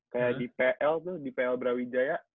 kayak di pl tuh di pl brawijaya